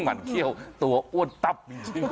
มันเขี้ยวตัวอ้วนตับจริง